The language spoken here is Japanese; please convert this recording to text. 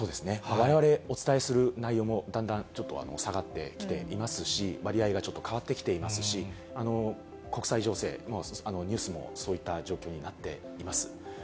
われわれお伝えする内容も、だんだんちょっと下がってきていますし、割合がちょっと変わってきていますし、国際情勢のニュースもそういった状況になっています。